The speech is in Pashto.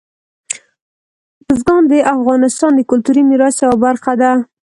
بزګان د افغانستان د کلتوري میراث یوه برخه ده.